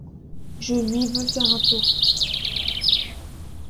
Je lui veux faire un tour.